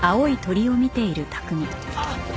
あっ！